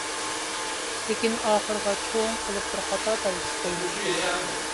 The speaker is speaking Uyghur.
لېكىن ئاخىرىغا چوڭ قىلىپ بىر خاتا بەلگىسى قۇيۇلۇپتۇ.